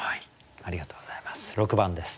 ありがとうございます。